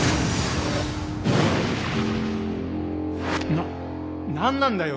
な何なんだよ？